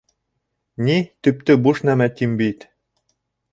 Ни, төптө буш нәмә, тим бит.